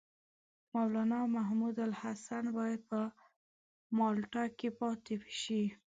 مولنا محمودالحسن باید په مالټا کې پاته شي.